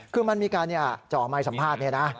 คือมันมีการจะออกใหม่สัมภาษณ์